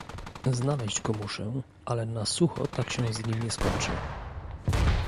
"Znaleźć go muszę, ale na sucho tak się z nim nie skończy."